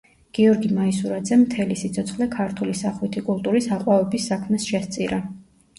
გიორგი მაისურაძემ მთელი სიცოცხლე ქართული სახვითი კულტურის აყვავების საქმეს შესწირა.